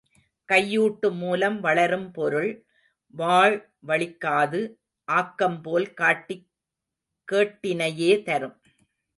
கையூட்டுமூலம் வளரும் பொருள், வாழ் வளிக்காது ஆக்கம்போல் காட்டிக் கேட்டினையே தரும்.